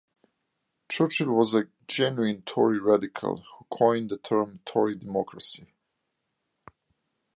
Churchill was a genuine Tory radical, who coined the term Tory Democracy.